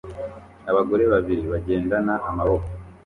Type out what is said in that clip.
Abagore babiri bagendana amaboko